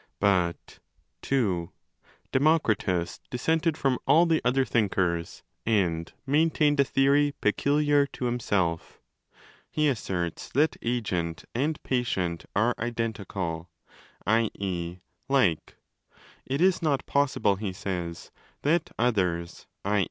But (ii) Demokritos dis sented from all the other thinkers and maintained a theory peculiar to himself. He asserts that agent and patient are identical, i.e. 'like'. It is not possible (he says) that 'others', i.